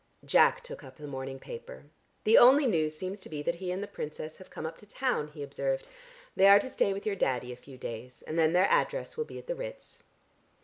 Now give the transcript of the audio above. Jack took up the morning paper. "The only news seems to be that he and the Princess have come up to town," he observed. "They are to stay with your Daddy a few days and then their address will be at the Ritz."